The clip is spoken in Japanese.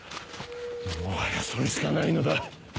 もはやそれしかないのだ。